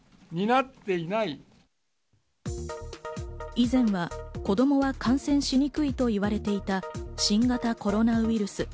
以前は子供は感染しにくいと言われていた新型コロナウイルス。